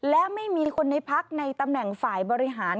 และไม่มีคนในพักในตำแหน่งฝ่ายบริหาร